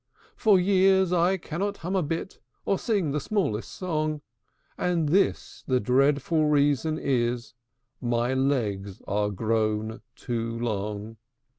For years I cannot hum a bit, Or sing the smallest song; And this the dreadful reason is, My legs are grown too long!